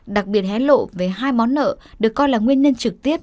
đặc biệt hén lộ về hai món nợ được coi là nguyên nhân trực tiếp